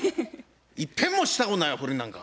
いっぺんもしたことないわ不倫なんか！